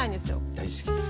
大好きです。